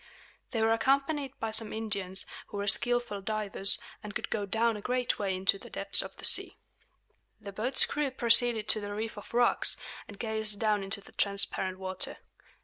They were accompanied by some Indians, who were skilful divers, and could go down a great way into the depths of the sea. The boat's crew proceeded to the reef of rocks, and gazed down into the transparent water.